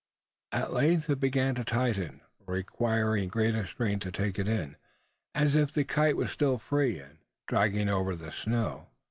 At length it began to tighten, requiring greater strength to take it in: as if the kite was still free, and dragging over the snow.